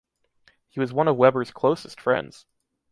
He was one of Weber's closest friends.